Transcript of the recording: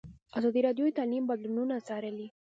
ازادي راډیو د تعلیم بدلونونه څارلي.